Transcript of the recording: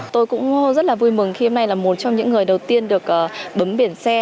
tôi cũng rất là vui mừng khi hôm nay là một trong những người đầu tiên được bấm biển xe